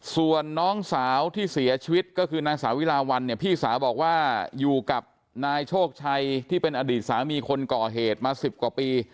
ส่วนน้องสาวที่เสียชีวิตก็คือนางสาวิลาวันเนี่ยพี่สาวบอกว่าอยู่กับนายโชคชัยที่เป็นอดีตสามีคนก่อเหตุมา๑๐กว่าปี